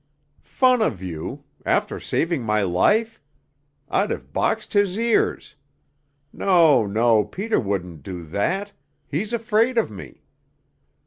"Fun of you! After saving my life! I'd have boxed his ears! No, no, Peter wouldn't do that. He's afraid of me."